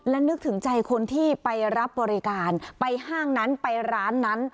และนึกถึงใจคนที่ไปรับบริการไปห้างนั้นไปร้านนั้น